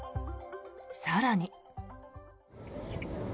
更に。